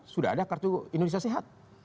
sudah ada kartu indonesia sehat